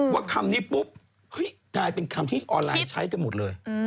คำนี้ปุ๊บกลายเป็นคำที่ออนไลน์ใช้กันหมดเลย